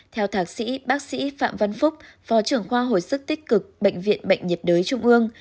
theo thạc sĩ bác sĩ phạm văn phúc phó trưởng khoa hồi sức tích cực bệnh viện bệnh nhiệt đới trung ương